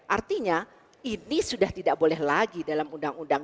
artinya ini sudah tidak boleh lagi dalam undang undang